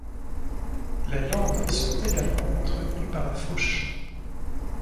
Les landes sont également entretenues par la fauche.